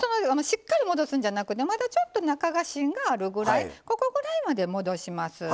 しっかり戻すんじゃなくてまだちょっと中が芯があるぐらいここぐらいまで戻します。